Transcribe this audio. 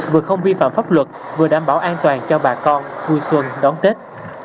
vừa không vi phạm pháp luật vừa đảm bảo an toàn cho bà con vui xuân đón tết